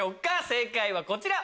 正解はこちら。